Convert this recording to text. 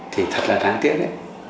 thì thật là đáng tiếc đấy